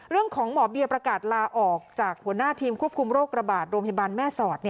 เรื่องของหมอเบียประกาศลาออกจากหัวหน้าทีมควบคุมโรคระบาดโรงพยาบาลแม่สอด